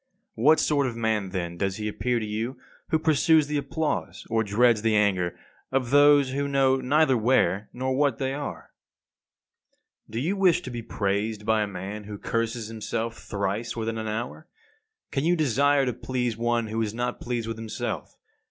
What sort of man then does he appear to you who pursues the applause or dreads the anger of those who know neither where nor what they are? 53. Do you wish to be praised by a man who curses himself thrice within an hour? Can you desire to please one who is not pleased with himself?